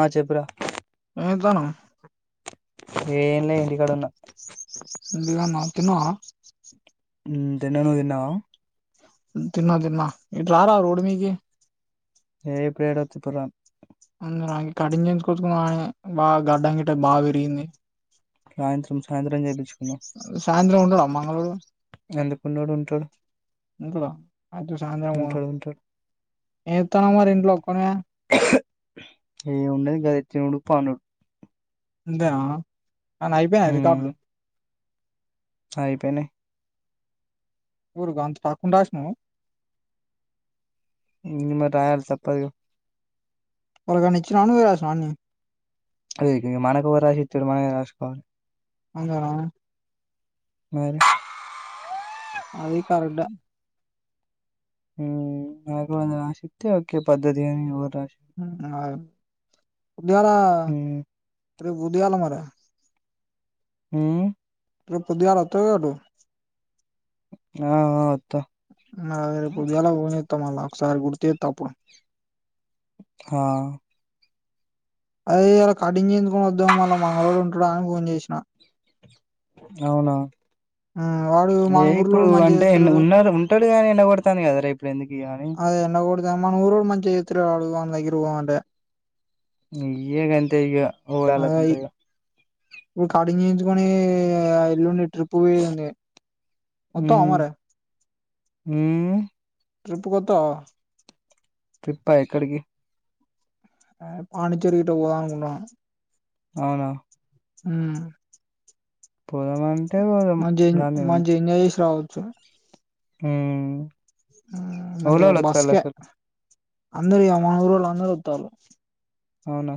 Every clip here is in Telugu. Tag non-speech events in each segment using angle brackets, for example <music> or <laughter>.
ఆ చెపురా ఎమ్ చేస్తన్నావ్ ఏం లే ముందుగా న తిన్నావా హుం తిన్న నువ్వు తిన్నావా తిన్న తిన్న ఇటు రారా రోడ్డు మీదకి ఏ ఇప్పుడు ఏడ వస్తావ్ ఇప్పుడు రాను అందు కటింగ్ చేయించుకుందామని బాగా గడ్డం గిట్టే బాగా పెరిగింది సాయంత్రం సాయంత్రం చేపించుకుందాం సాయంత్రం ఉంటాడా మంగళోళ్ళు ఉన్నాడు ఉుంటడు ఇంట్లో అయితే సాయంత్రం ఉంటాడు ఉంటాడు ఏ చేత్తానవ్ మరి ఇంట్లో ఒక్కనివే ఏముండది గదే తినుడు పండుడు అంతేనా అనయి అయిపోయినా రికార్డులు అయిపోయినై ఒరు గంత టక్కున రాసినవ్ ని మరి రాయాలి తప్పదిగా ఏవలికైనా ఇచ్చినవ నువ్వే రాసినవ అదే మనకెవడు రాశిస్తాడు మనమే రాసుకోవాలి అంతేనా మరి! అది కరెక్టే హు నాకు అది రాశిస్తే ఒక పద్ధతని అహ్ పొద్గలా ఉమ్ రేపొద్దుగాలే మరి హు రేప్ పొద్దుగాల ఒత్తవ్గా అటు ఆహ్ హ అమ్ రేప్ పొద్దుగాల పొలే తమల ఒక్కసారి గుర్తుచేతప్పుడు హా! అదే ఇయలా కటింగ్ చేయించుకొని వద్దాం మళ్ళ మంగళోడు ఉంటడా అని ఫోన్ చేసిన అవునా! అమ్ వాడు మన ఊర్లోడు మంచిగా చేస్తలేడు టల్గా ఎండ కొడతాంది కదరా ఇప్పుడు ఏంది అద్ ఎండకొడ్ మన ఊరోడు మంచిగా చేతలేడు ఆడు ఆనిదగర్ పోందామంటే ఈయే గంతే ఇగ అయి ఉడలాకుంటాయ్గా ఇప్పుడు కటింగ్ చేయించుకొని ఆహ్ ఎల్లుండి ట్రిప్ పోయేదుంది వత్తవా ఉమ్ మరి ఊ ట్రిప్కొత్తవా ట్రిప్పా ఎక్కడికి ఆహ్ పాండిచ్చెరి గిట పోదామనుకుంటునం అవునా! మ్ పోదామంటే పోదాం. మంచింగ్ దాన్నే మంచిగా ఎంజాయ్ చేసి రావచ్చు మ్ ఎవలెవలు ఒత్తరసలు అన్నీ అమాల్లో అందరూరొత్తారు అవునా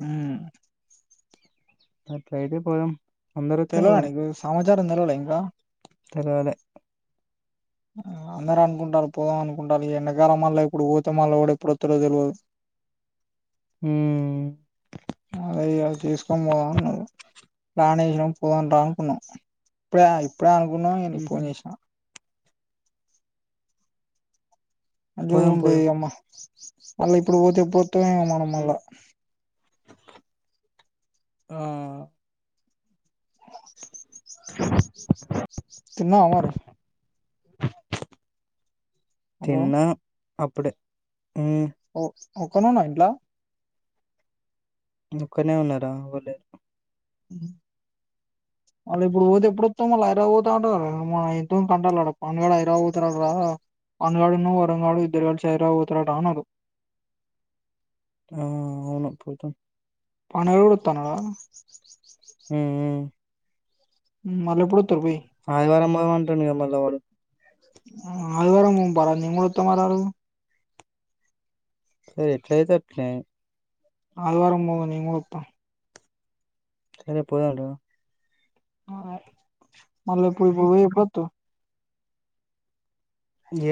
మ్ అట్లయితే పోదాం అందరొత్తే తెలవాలె పోదాం. నీకు సమాచారం తెలివాలే ఇంకా తెలవాలె. ఆ అందరనుకుంటారు పోదాం అనుకుంటారు ఎడాకాలం మళ్ళ ఇప్పుడు పోతే మళ్ళ కూడా ఎప్పుడుత్తడో తెలియదు హ్మ్. ఆ అదే కదా చేసుకొని పోవాల్నా ప్లాన్ ఎయ్ పోదాం రా అనుకున్నాం ఇప్పుడే ఆగిపో ఇప్పుడే అనుకున్నాం నేన్ నీకు హుహు. ఫోన్ చేసినా అంజి పోదాం. ఉంటే పోదాం. ఏయ్ అమ్మా మళ్ళీ ఇప్పుడు పోతే ఎప్పుడూ హమ్ మనం హ్మ్. మల్ ఆ <inaudible> తన్నావ మరి హలో తిన్నా అప్పుడే ఉమ్ ఒక్కనున్నా ఇంట్లా ఒక్కనే ఉన్నారా ఎవర్లేరు వాళ్ళ ఇప్పుడు పోతే ఎప్పుడతోమళ్ళ హైదరాబాద్ రపోతా ఉంట మన ఎంతో కంటాల పడుగడు హఐరా పోతారడు రా పాడుగడున్న వరంగడు ఇద్దరు కలిసి హైదరాబాద్ పోతారడా అన్నాడు ఆ అవును పోతా పనరడు తానార ఉమ్ మ్ మ్ మల్లెప్పుడు ఆదివారం మొ స్తాం అంటానుగా మళ్ళ వాడు ఆ ఆదివారం పోమ్ పారా నేమ్ కూడా ఒత్తాం ఆ రారు ఏ ఎట్లయితే అట్లే అదివారం పోదాం నేన్ కూడా ఒత్తా సరే పోదాం రా మల్లా ఇ ఇప్పుడు పోయి ఎప్పుడొత్తావ్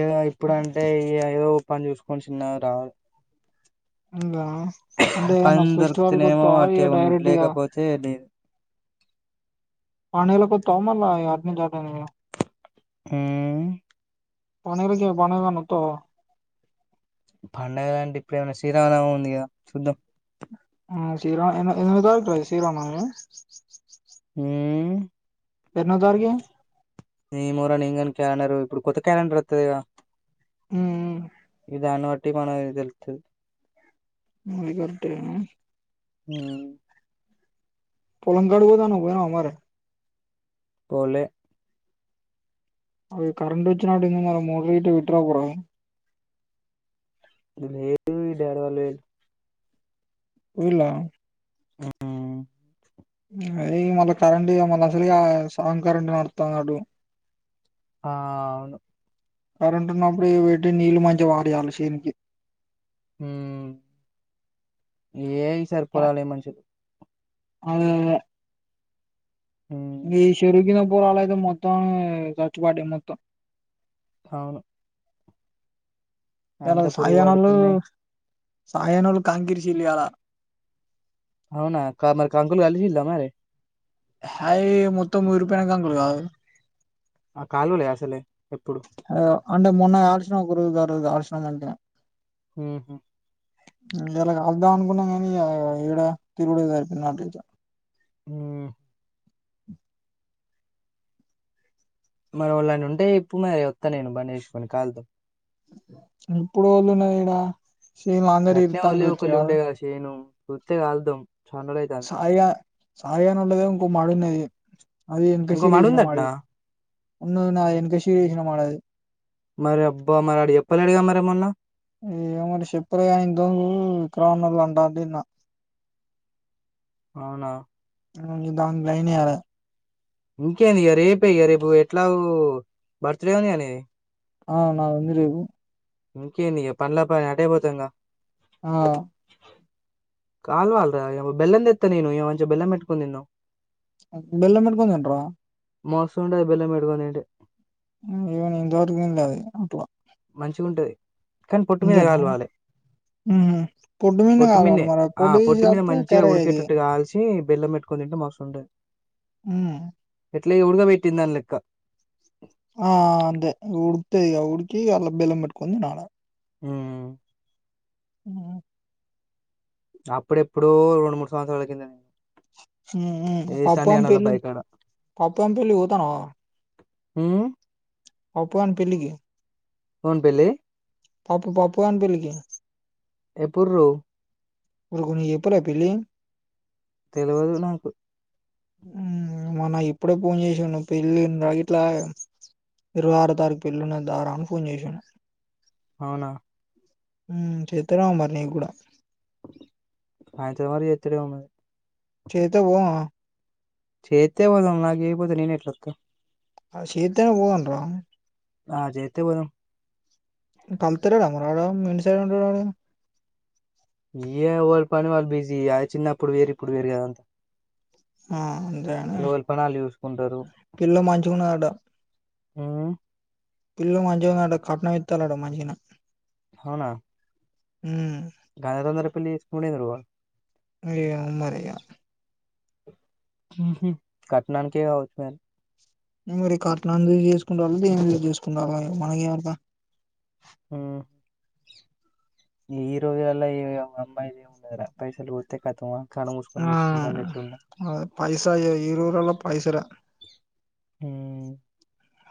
ఏ ఇప్పుడు అంటే ఏ అయో పని చూసుకొని చిన్నగ రా ఇంగా అంటే ఏమన్నా పని ఫెస్టివల్ దొరుకుతనేమో కొత్తవా అట్టే ఇగ ఉండుడ్ డైరెక్ట్ ఇగ లేకపోతే లే ఆ నెలకొత్తావా మళ్ళా అటు నుంచి అటే నేను హూ పని రికి పని ఏ దను వత్తావ పండగలు అంటే ఇప్పుడ ఏమైనా శీరామనవమి ఉంది కదా చూద్దాం ఆ శ్రీ రామ ఏ ఎన్ని రోజులు రా ఈ శ్రీ రామనవనవమి హూ మ్ ఎన్నోదారికి నేమో రా నేన్ కానీ క్యాలెండర్ ఇప్పుడు కొత్త క్యాలెండర్ వత్తది గా ఉ ఉమ్ ఇదాను వట్టి మనది తెలుతుది మలి గట్టేనా ఆ పోలంగడు పోత అన్నావ్ పోయినవ ఆ మరి పోలేె అది కరెంట్ వచ్చినట్టు ఉంది ఇ మల మోట గిటర్ పెట్టి రా పో రా లేదు వి డ్యారా లే ఊర్లా ఆ ఇంగ అది మళ్ళ కరెంట్ ఇగ మళ్ళీ అసలుగా సగం కరెంట్ నడుతున్నాట్టు ఆ అవును కరెంటు ఉన్నప్పుడు ఇగ పెట్టి నీళ్ళు మంచిగా వారీ యాలి శనికి హూ ఏ గ్ సరిపోలాలే మనుషు అద దే ఉమ్ ఇ చెరివు కింద పోలాలు అయితే మొత్తం చచ్చు పడ మొత్తం అవును ఇలా అంత సాయి పురుగు గానోళ్ళు పడుతున్నాయి సాయిగానోళ్లు కంకి ఇరిచిల్లు ఇయాల అవునా మరి క కంకులు కాషిల్ లా మరి హాయి ఇగ మొత్తం మురిగి పోయిన కంకులు కాదు ఆ కాలువలే అసలే ఎప్పుడు అంటే మొన్నయి ఆరచన కురు కా ఆరచనమంట ఉహు ఇయలా కాల్దాం అనుకున్నాం కానీ ఏడ తిరుగుడే జరిపోంది నా ఉం మరి వాళ్ళని ఉంటే ఇప్పుడు మరి వత్త నేను బండి చేసుకొని కాళ్ళతో ఎప్పుడు ఎవళ్ళు ఉన్నరు ఇడ ఎట్నే వాళ్ళీ ఒకళ్ళు ఉంటాయి కదా చేను కొరత్తే కాల్దుం సాయిగా సాయిగానోళ్లదే ఇంకో మడి ఉన్నది అది ఇంకో మాడు ఎంకాసీరిసిన ఉందట్నా మడి ఉన్నందున్నది ఆ ఎనుకసిరి ఏసిన మడి అది మరి అబ్బా మరి అడ చెప్పలేడుగా మరి మొన్నా ఏ మరి చెప్పులే గ ఇండ్రోజులు ఇకంఉన్నోళ్లు ఏంటంటే ఇన్న అవునా దాని లైన్ ఎయ్యాలే ఇంకేంది ఇక రేపు ఇక రేపు ఎట్లా గొ బర్త్ డే గా నే ఆ నాదుంది రేపు ఇంకేంది ఇక పన్లో పని అటే పోదాం గా ఆ కాల్వల్రా ఇ గ బెల్లం దెత్త నేను ఇ వంచె బల్లం బెట్టుకొని తిందాం బెల్లం పెట్టుకొని తింట్రా మోస్తుంటాది బెల్లం పెట్టుకొని తింటే ఇవను ఇంతవరకు ఇ అది అట్లా మంచిగా ఉంటది ఇంతేనా పొడ్డు మీద పొట్టు కావాలి మీదనే మరి ఆ పొడ్డు తీసు పొట్టు మీద వెళ్తే మంచిగా కర్రేగైతాయి ఉడికేటట్టు కాల్చి బెల్లం పెట్టుకుని తింటే మాస్త్ ఉంటది ఉం ఎట్లా ఉడగా పెట్టిందాని లెక్క ఆ అంతే ఊడు దిగా ఉడుకి అలా బెల్లం పెట్టుకొని తినాల ఉం ఆ అప్పుడెప్పుడు రెండు మూడు సంవత్సరాలు గింద నేను ఏ పప్పు సండే అం అన్నోళ్ళ పెళ్లి బాయి కాడ. పప్పు అం పెళ్లి పోతానవా ఉమ్మ్ ప్పప్పు గాని పెళ్ళికి ఓన్ పెళ్ళి పప్పు పప్పు గాని పెళ్లి కి ఎప్పుర్రో ఉ కొన్ని ఎప్పుడు పెళ్ళి తెలవదు నాకు మ నా ఇప్పుడే ఫోన్ చేసాన్ను పెళ్లి రా ఇట్లా ఇరవై ఆరో తారీఖు పెళ్లిన్నది దారా అని ఫోన్ చేసిండు అవునా ఉం చేతరేమో మరి నీ కూడా అయంత్రం వరకు చెత్తరేమో మరి చేత్తె పోమా చేతే పోదాం నాకి ఏయపోతే నేను ఎట్లా వత్తా ఆ చేత్తేనే పోదాం రా ఆ చేత్తే పోదాం పంపుతాలేడా మరి వాడు మీ ఇంటి సైడ్ ఉంటాడని ఇగా ఏవిళి పని వాళ్ళు బిజీ చిన్నప్పుడు వేరు ఇప్పుడు వేరు కదా ఆ అంతేనే ఎవరి పని ఆళ్ళు చూసుకుంటారు. పిల్ల మంచిగా ఉన్నదాట హ్మ్ పిల్ల మంచిగా ఉందట కట్నం ఇత్తాల అట మంచిగానే అవునా <unintelligible> పెళ్ళి కునే ఇరవ అయ్యా మరియా కట్నానికీ కావచ్చు మరి మరి కట్నాన్ని చూసి చేసుకుంటలో దేనికి చేసుకుంటలో మనకేమ్ ఏరుక ఉ ఈరోజులల్లా ఎమమ్ అమ్మాయిది ఏం ఉన్నదిరా పైసలు పోతే కతమా ఆ అ పైసా ఈ రోజుల్లాలో పైసలే హ్మ్.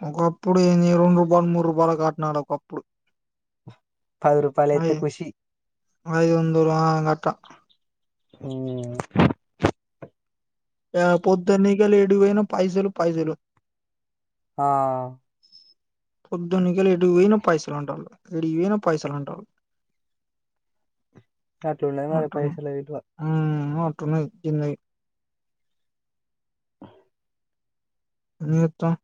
ఒకప్పుడు ఎంది రెండు రూపాయలు, మూడు రూపాయలు కట్నాలు ఒకప్పుడు పది రూపాయలు అయితే అయ్ ఖుషి ఐదు వందల ఆ గట్ట హ్మ్ ఆ పోద్దన్నే ఇగ ఏటూ పోయిన పైసలు పైసలు ఆ పొద్దునికలి ఎటు పోయిన పైసలు అంటాళ్ళు. ఎడికి పోయిన పైసలు అంటాళ్ళు. అట్లు ఉన్నది మరి పైసల విలువ అంటున్నది జిందగి ఎమ్ చేత్తామ్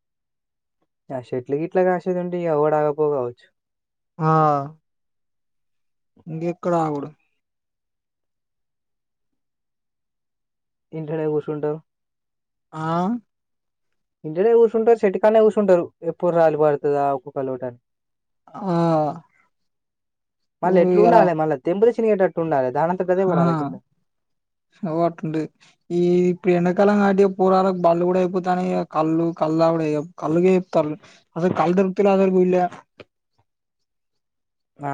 ఆ చెట్ల ఇట్లా కాసేది ఉంటే ఎవడు ఆగాపో కావచ్చు. ఆ ఇంకేక్కడ ఆగుడు. ఇంట్లోనే కుశుటామ్ ఆ ఇంట్లోనే కుశుటామ్ చెట్టు కన్నె కూర్చుంటారు. ఎప్పుడు రాలి పడ్తదా, ఒకొక్క లోటా అని ఆ నువ్వు ఇగా రా తిరిగేటట్టు ఉండాలి. దానంతట అదే ఆ పడాలి కింద అగో అట్లా ఉంటది. ఈ ఇప్పుడు ఎండాకాలం కాబట్టి పొరగాల్లాకు బడ్లు కూడా అయిపోతానాయి. కదా కళ్లు కళ్లు ఇగా కళ్లు కే చెప్తాళ్ళు, అస్సల్ దొరకుతలే ఊర్లా ఆ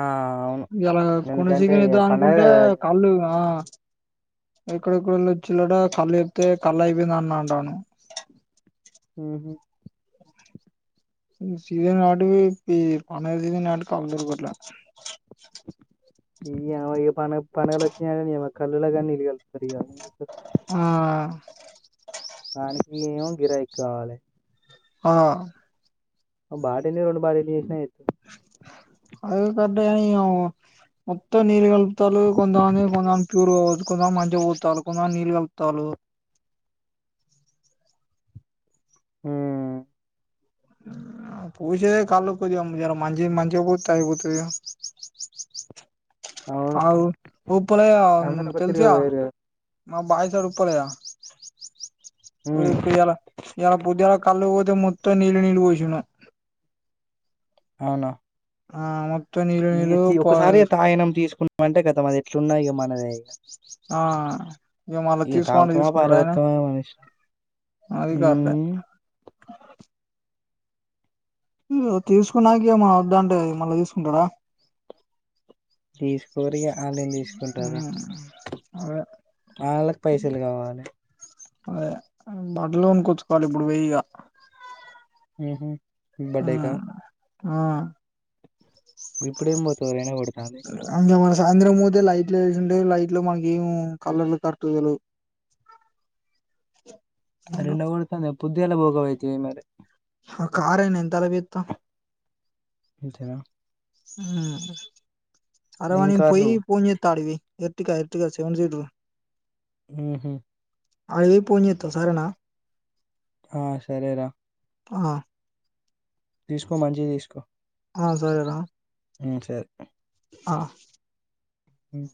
అవును ఇయాల కొని ఎందుకంటే చికెన్ ఇక తేద్దాం పండగ అనుకుంటే కదా కళ్లు ఆ ఎక్కడెక్కడొల్లో వచ్చిలాట కళ్ళు చెప్తే కళ్ళయిపోందన్న అంటను ఉహు ఇ సీసన్ కావటి ఇ పి పనేదిగిందంటే కళ్ళు దొరకట్లే <unintelligible> నియవ్వ ఎపన్న పండగలు వచ్చినాయి అంటే నియవ్వ కల్లుల గని నీళ్లు కలు ఆ దానికి ఏమో గిరాకి కావాలే ఆ ఓ బాటిల్ ని రెండు బాటిల్ చేసినా చే అవి పెద్దయనీ నియవ్వ మొత్తం నీళ్ళు కల్పుతల్లు కొంతమంది కొంచం ప్యూర్ కావచ్చు కొంతమంది మంచిగా పొత్తాళ్లు కొంతమంది నీళ్ళు కలుపుతల్లు హు పూసేదే తే అయిపోతాది గా అవును ఆగు ఉప్పలేగా అందరు ఒక తిరుగా తెల్సుగా పోయారు కదా మా బాయి దడ ఉప్ప లేదా ఉమ్ ఊరికి ఉయ్యాల ఇయ్యాల పొద్దుగాల కళ్ళు పో మొత్తం నీలు నీలు పోషిండు అవునా ఆ మాక్ ఈ తీ ఒకసారి తాగినం తీసుకున్నామంటే ఖతం అది ఎట్లున్నా ఇగ మనదే ఆ మళ్ళా ఇగ తీసుకోమంటే తాగుతామో తీసుకుంటాడా ఆయన పార్వోత్తమో మన ఇష్ అది ఉ కరెక్టే ఆహ్ తీసుకున్నాక ఏమో వద్దాంటే మళ్ళా తీసుకుంటడా తీస్ కోరిగ ఆళ్లేందుకు తీసుకుంటారు ఉమ్ రా అదే ఆళ్ళకి పైసలు కావాలే అదే బుట్టలు కొనుకోచ్చుకోవాలి ఇప్పుడు పోయి యిగా. ఉహు బర్త్డేకా ఆ గిప్పుడేం పోతవు ఎండ గొడుతంది ఇంగ మన సాయంత్రం పోతే లైట్లు వేసుంటే లైట్లో మనకేమో కలర్లు కరెక్ట్ తెల్వవు మరి ఎండ కొడుతుంది ఎప్ పొద్దుగాల పోకవైతివి మరే అహ్ కారయినా ఎంతల పోయత్త అంతేనా ఉ ఏం అరవనీ పోయి కారు ఫోన్ జెత్తా అడికిపోయి ఎర్టిగా ఎర్తిగా సెవెన్ సీటరు. ఉహు అడికిపోయి పోన్ చేత్త సరేనా ఆ సరేరా ఆ తీసుకో మంచియి తీసుకో ఆ సరేరా మహ్ సరే ఆ మహ్